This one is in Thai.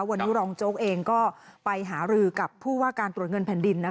วันนี้รองโจ๊กเองก็ไปหารือกับผู้ว่าการตรวจเงินแผ่นดิน